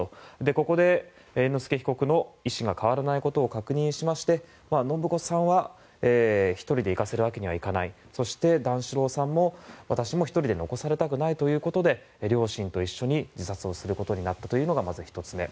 ここで、猿之助被告の意思が変わらないことを確信しまして延子さんは１人で行かせるわけにはいかないそして、段四郎さんも私も１人で残されたくないということで両親と一緒に自殺をすることになったというのがまず１つ目。